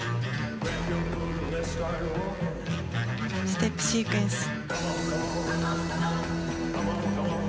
ステップシークエンス。